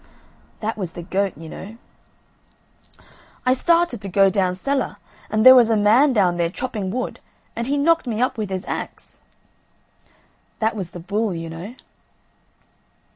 That was the goat, you know. "I started to go down cellar, and there was a man down there chopping wood, and he knocked me up with his axe." That was the bull, you know.